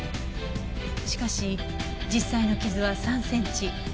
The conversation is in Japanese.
しかし実際の傷は３センチ。